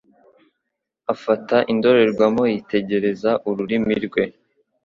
Afata indorerwamo yitegereza ururimi rwe